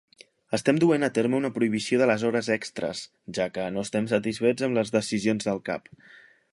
Estem duent a terme una prohibició de les hores extres, ja que no estem satisfets amb les decisions del cap.